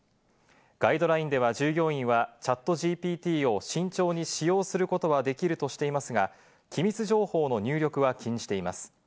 ガイドラインでは、従業員はＣｈａｔＧＰＴを慎重に使用することはできるとしていますが、機密情報の入力は禁じています。